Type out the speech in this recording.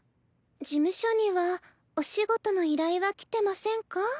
事務所にはお仕事の依頼は来てませんか？